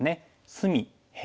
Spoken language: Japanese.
隅辺